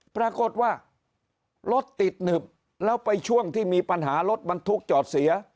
ปรากฏว่ารถติดหนึบแล้วไปช่วงที่มีปัญหารถบรรทุกจอดเสีย